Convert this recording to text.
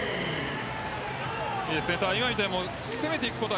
今みたいに攻めていくこと